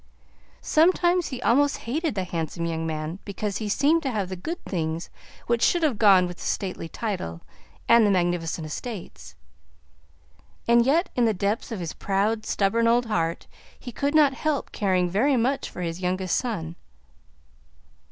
Sometimes he almost hated the handsome young man because he seemed to have the good things which should have gone with the stately title and the magnificent estates; and yet, in the depths of his proud, stubborn old heart, he could not help caring very much for his youngest son.